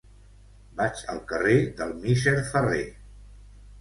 Vaig al carrer del Misser Ferrer.